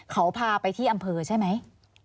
เขาพาไปที่อำเภอใช่ไหม